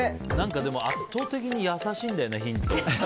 でも圧倒的に優しいんだよねヒント。